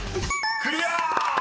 ［クリア！］